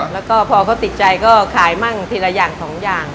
แล้วก็พอเขาติดใจก็ขายมั่งทีละอย่างสองอย่าง